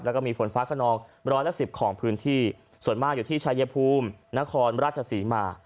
แล้วก็มีฝนฟ้าขนองร้อยละสิบของพื้นที่ส่วนมากอยู่ที่ชายภูมินครราชศรีมา